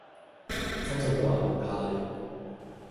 深水埗鴨寮街